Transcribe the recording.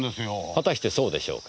果たしてそうでしょうか。